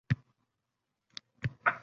Mana mushkilot shu nuqtadadir.